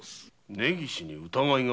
根岸に疑いが？